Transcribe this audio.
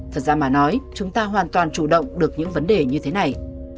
thật ra mà nói chúng ta hoàn toàn chủ động được những vấn đề như thế này